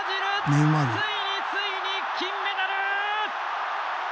ついについに金メダル！